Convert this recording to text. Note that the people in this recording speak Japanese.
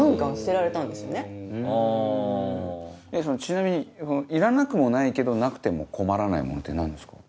ちなみにいらなくもないけどなくても困らないものって何ですか？